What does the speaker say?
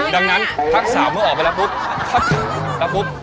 ดังนั้นทักสาวมันออกไปแล้วปุ๊บ